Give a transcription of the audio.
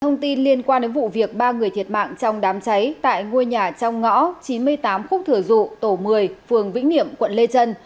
thông tin liên quan đến vụ việc ba người thiệt mạng trong đám cháy tại ngôi nhà trong ngõ chín mươi tám khúc thừa dụ tổ một mươi phường vĩnh niệm quận lê trân